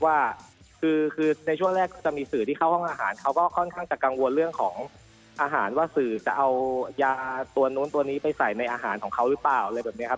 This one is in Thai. ว่าคือในช่วงแรกก็จะมีสื่อที่เข้าห้องอาหารเขาก็ค่อนข้างจะกังวลเรื่องของอาหารว่าสื่อจะเอายาตัวนู้นตัวนี้ไปใส่ในอาหารของเขาหรือเปล่าอะไรแบบนี้ครับ